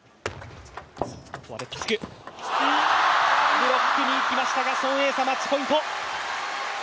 ブロックにいきましたが孫エイ莎、マッチポイント。